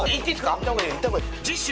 行った方がいい次週